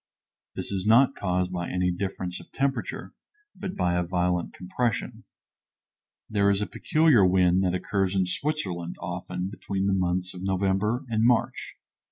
This is not caused by any difference of temperature, but by a violent compression. There is a peculiar wind that occurs in Switzerland, often, between the months of November and March.